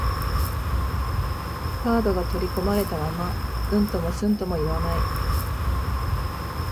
カードが取り込まれたまま、うんともすんとも言わない